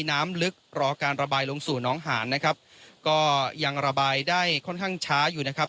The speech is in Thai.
น้ำลึกรอการระบายลงสู่น้องหานนะครับก็ยังระบายได้ค่อนข้างช้าอยู่นะครับ